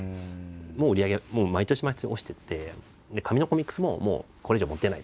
売り上げは毎年毎年落ちてって紙のコミックスももうこれ以上もう出ないとか。